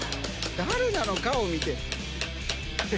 誰なのかを見てる。